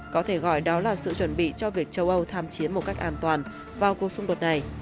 có thể gọi đó là sự chuẩn bị cho việc châu âu tham chiến một cách an toàn vào cuộc xung đột này